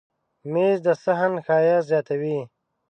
مېز د صحن ښایست زیاتوي.